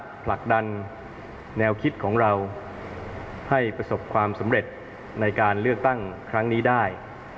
ผลักดันแนวคิดของเราให้ประสบความสำเร็จในการเลือกตั้งครั้งนี้ได้